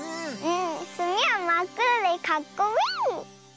すみはまっくろでかっこいい！